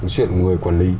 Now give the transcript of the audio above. chuyện của người quản lý